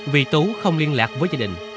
vì tú không liên lạc với gia đình